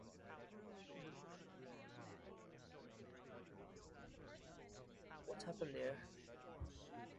The hull front was or if it had an additional armor plate fitted.